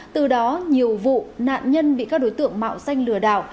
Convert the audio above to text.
từ đó nhiều vụ nạn nhân bị các đối tượng mạo danh lừa đảo